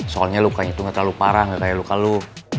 soalnya lukanya tuh gak terlalu parah gak kayak luka lo